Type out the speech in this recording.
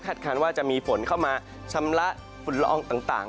คันว่าจะมีฝนเข้ามาชำระฝุ่นละอองต่าง